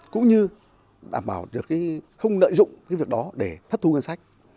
cũng như đảm bảo được không lợi dụng cái việc đó để thất thu ngân sách